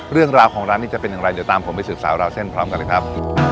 เรื่องราวของร้านนี้จะเป็นอย่างไรเดี๋ยวตามผมไปสืบสาวราวเส้นพร้อมกันเลยครับ